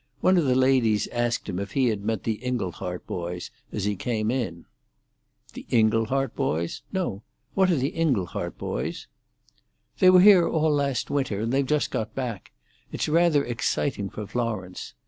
One of the ladies asked him if he had met the Inglehart boys as he came in. "The Inglehart boys? No. What are the Inglehart boys?" "They were here all last winter, and they've just got back. It's rather exciting for Florence."